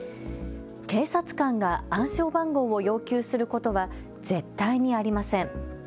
警察官が暗証番号を要求することは絶対にありません。